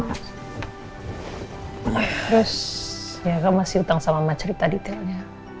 terus ya gak masih utang sama macerita detailnya